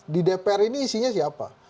di dpr ini isinya siapa